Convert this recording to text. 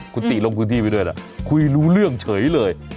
คุณติลงพื้นที่ไปด้วยนะคุยรู้เรื่องเฉยเลย